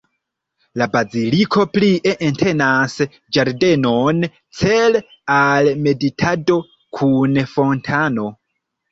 La baziliko plie entenas ĝardenon, cele al meditado, kun fontano.